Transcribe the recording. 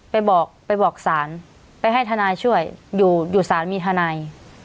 ไปบอกศาลไปให้ธนายช่วยอยู่ศาลมีธนาย